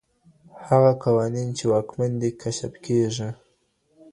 هغه قوانين چي واکمن دي کشف کيږي.